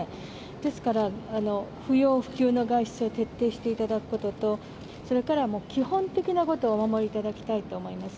ですから、不要不急の外出を徹底していただくことと、それから、もう基本的なことをお守りいただきたいと思います。